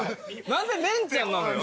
何でメンちゃんなのよ。